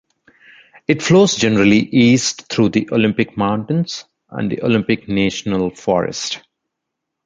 It flows generally east through the Olympic Mountains and the Olympic National Forest.